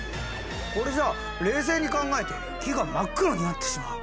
これじゃ冷静に考えて木が真っ黒になってしまう。